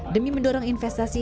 demi mendorong investasi